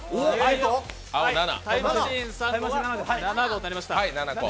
タイムマシーン３号は７号になりました。